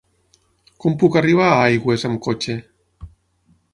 Com puc arribar a Aigües amb cotxe?